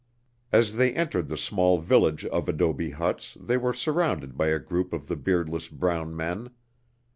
As they entered the small village of adobe huts they were surrounded by a group of the beardless brown men.